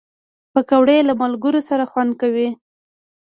پکورې له ملګرو سره خوند کوي